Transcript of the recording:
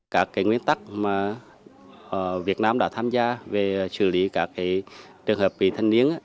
các nguyên tắc mà việt nam đã tham gia về xử lý các trường hợp vị thanh niên